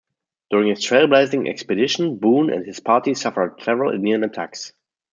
During this trail-blazing expedition, Boone and his party suffered several Indian attacks.